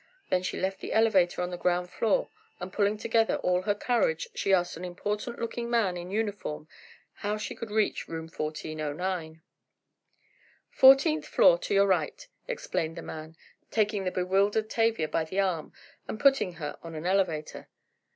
Then she left the elevator on the ground floor and pulling together all her courage, she asked an important looking man in uniform, how she could reach Room 1409. "Fourteenth floor, to your right," explained the man, taking the bewildered Tavia by the arm and putting her on an elevator.